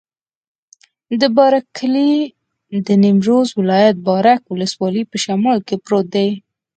د بارک کلی د نیمروز ولایت، بارک ولسوالي په شمال کې پروت دی.